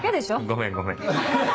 ごめんごめん。